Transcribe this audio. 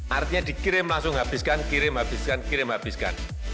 artinya dikirim langsung habiskan kirim habiskan kirim habiskan